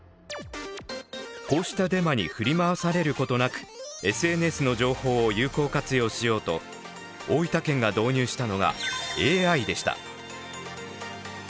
こうしたデマに振り回されることなくＳＮＳの情報を有効活用しようと大分県が導入したのがＡＩでした。